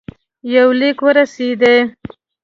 یو لیک ورسېدی.